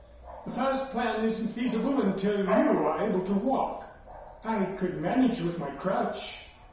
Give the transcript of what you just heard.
The first plan isn't feasible until you are able to walk " "I could manage with my crutch."